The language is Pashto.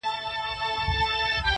• په نیژدې لیري ښارو کي آزمېیلی-